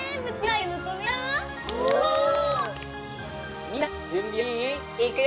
いくよ！